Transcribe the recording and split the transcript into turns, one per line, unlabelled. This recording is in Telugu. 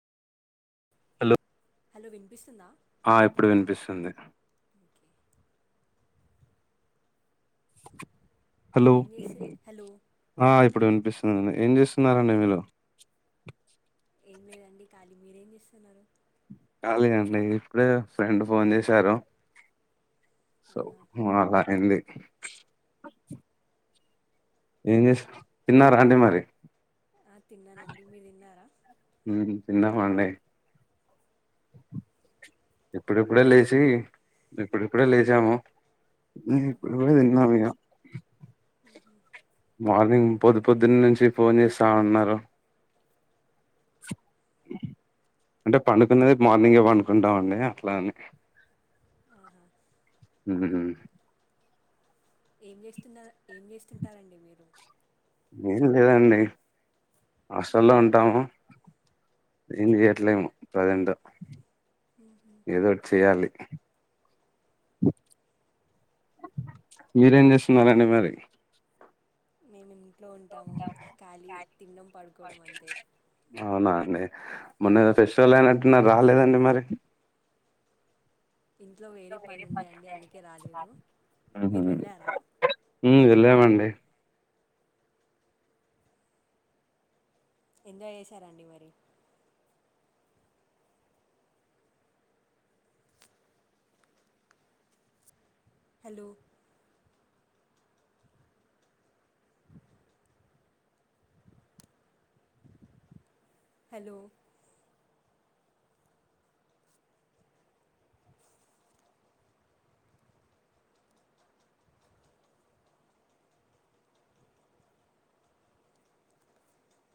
హలో
హలో వినిపిస్తుందా
ఆ ఇప్పుడు వినిపిస్తుంది
ఓకే
హలో
ఏం చేసే హలో
ఆ ఇప్పుడు వినిపిస్ హ్మ్మ్ ఏం చేస్తున్నారండి మీరు
ఏం లేదండి ఖాళీ మీరేం చేస్తున్నారు
ఖాలేనండి ఇప్పుడే ఫ్రెండ్ ఫోన్ చేశారు సో
ఆహా
అలా అండి ఏం చేస్ తిన్నరా అండి మరి
ఆ తిన్నానండి మీరు తిన్నారా
హ్మ్మ్ తిన్నాం అండి ఇప్పుడిప్పుడే లేచి ఇప్పుడిప్పుడే లేచాము హ్మ్మ్
ఓహో
ఇప్పుడే తిన్నాం ఇగ
మ్మ్.
మార్నింగ్ పొద్దు పొద్దున్న నుంచి ఫోన్ చేస్తా ఉన్నారు అంటే పండుకున్నది మార్నింగే పండుకుంటామండి అట్లాని
ఆహా
హ్మ్మ్
ఏం చేస్తున్నారు ఏం చేస్తుంటారండి మీరు
ఏం లేదండి హాస్టల్లో ఉంటాము ఏం చేయట్లేము ప్రజెంట్. ఏదోటి చెయాలి మీరేం చేస్తున్నారు అండి మరి
నేనుం ఇంట్లో ఉంటాము ఖాళీ తినడం పడుకోవడం అంతే
అవునా అండి మొన్న ఏదో ఫెస్టివల్ అయినట్టున్నారు రాలేదండి మరి
ఇంట్లో వేరే పని ఉండే అండి అందుకే రాలేదు
[inaudible]
మీరు వెళ్ళారా
అ
ఎంజాయ్ చేశారండి మరి హలో హలో